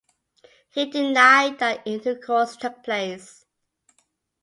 He denied that intercourse took place.